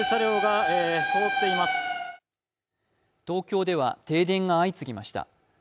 東京では停電が相次ぎました。